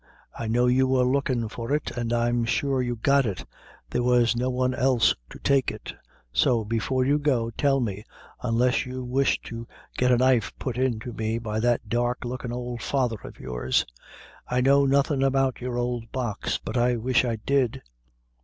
I know you were lookin' for it, an' I'm sure you got it there was no one else to take it; so before you go, tell me unless you wish to get a knife put into me by that dark lookin' ould father of yours." "I know nothing about your ould box, but I wish I did."